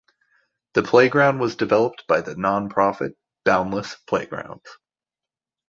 The playground was developed by the nonprofit Boundless Playgrounds.